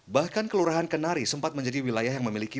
bahkan kelurahan kenari sempat menjadi wilayah yang memiliki